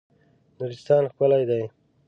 نورستان ښکلی دی.